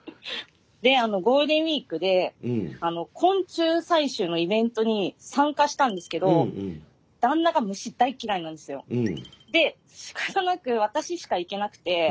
であのゴールデンウイークで昆虫採集のイベントに参加したんですけど旦那が虫大嫌いなんですよ。でしかたなく私しか行けなくて。